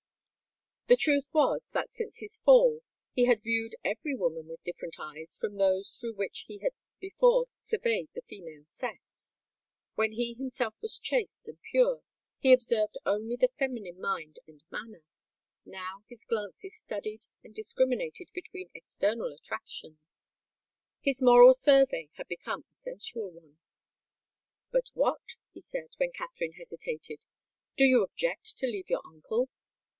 The truth was, that, since his fall, he had viewed every woman with different eyes from those through which he had before surveyed the female sex. When he himself was chaste and pure, he observed only the feminine mind and manner:—now his glances studied and discriminated between external attractions. His moral survey had become a sensual one. "But what?" he said, when Katherine hesitated. "Do you object to leave your uncle?"